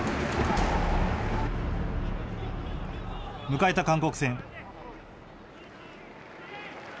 迎えた韓国戦。